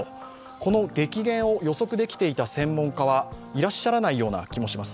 この激減を予測できていた専門家はいらっしゃらないような気がします。